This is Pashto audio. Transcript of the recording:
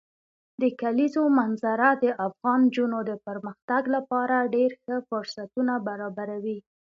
د کلیزو منظره د افغان نجونو د پرمختګ لپاره ډېر ښه فرصتونه برابروي.